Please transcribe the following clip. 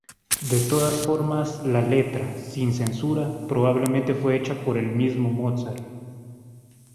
De todas formas, la letra, sin censura, probablemente fue hecha por el mismo Mozart.